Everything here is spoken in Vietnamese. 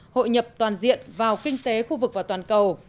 hội nhập toàn diện vào kinh tế khu vực và toàn cầu